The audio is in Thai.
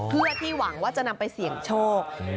เพื่อที่หวังว่าจะนำไปเสี่ยงโชค